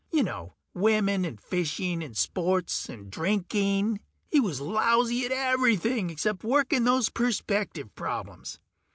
You know ... women and fishing and sports and drinking; he was lousy at everything except working those perspective problems.